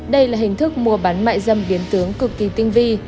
đây là hình thức mua bán mại dâm biến tướng cực kỳ tinh vi